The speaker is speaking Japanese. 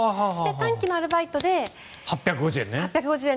短期のアルバイトで８５０円。